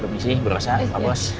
permisi berusaha pak bos